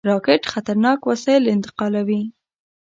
راکټ خطرناک وسایل انتقالوي